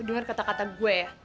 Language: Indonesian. lo denger kata kata gue ya